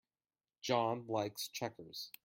John likes checkers.